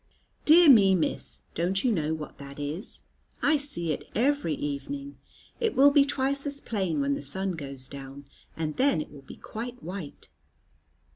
"Dear me, Miss, don't you know what that is? I see it every evening; it will be twice as plain when the sun goes down, and then it will be quite white."